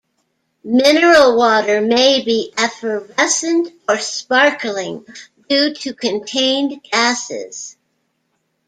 Mineral water may be effervescent or "sparkling" due to contained gases.